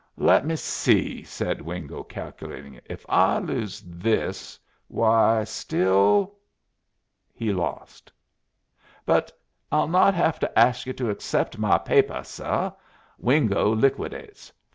"Let me see," said Wingo, calculating, "if I lose this why still " He lost. "But I'll not have to ask you to accept my papuh, suh. Wingo liquidates.